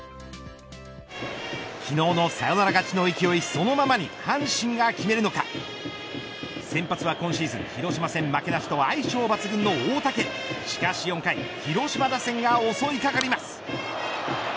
昨日のサヨナラ勝ちの勢いそのままに阪神が決めるのか先発は今シーズン広島戦負けなしと相性抜群の大竹、しかし４回広島打線が襲いかかります。